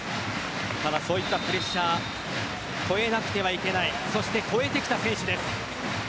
そういったプレッシャーを超えなくてはいけないそして超えてきた選手です。